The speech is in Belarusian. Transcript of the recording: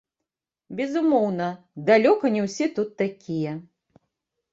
Безумоўна, далёка не ўсе тут такія.